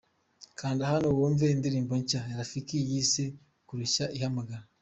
Kanda hano wumve indirimbo nshya ya Rafiki yise 'Karushya ihamagara'.